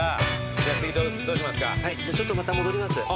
じゃちょっとまた戻ります。